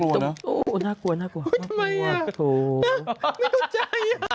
ไม่ถูกใจ